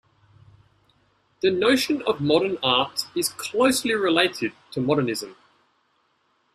The notion of modern art is closely related to modernism.